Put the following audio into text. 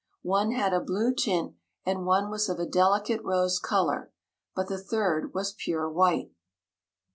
One had a blue tint and one was of a delicate rose color, but the third was pure white.